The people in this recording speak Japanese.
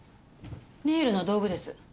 ネイルの道具です。